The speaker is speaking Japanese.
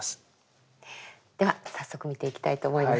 では早速見ていきたいと思います。